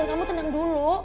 kenzo kamu tenang dulu